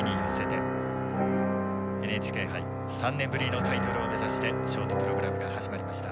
ＮＨＫ杯３年ぶりのタイトルを目指してショートプログラムが始まりました。